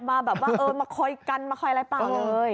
มาแบบว่าเออมาคอยกันมาคอยอะไรเปล่าเลย